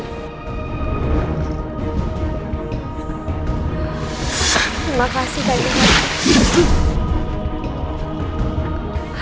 terima kasih kanjeng ratu